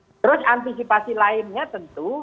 nah terus antisipasi lainnya tentu